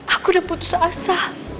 aku udah putus asa